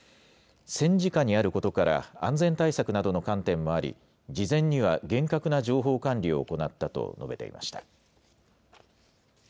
戦時下にあることから、安全対策などの観点もあり、事前には厳格な情報管理を行ったと述べていました。